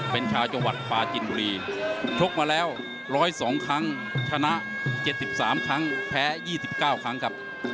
เป็นชาวจังหวัดปลาจินบุรีชกมาแล้วร้อยสองครั้งชนะเจ็ดสิบสามครั้งแพ้ยี่สิบเก้าครั้งครับ